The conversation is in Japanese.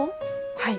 はい。